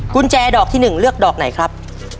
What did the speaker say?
กุญแจดอกที่๑เลือกดอกไหนครับ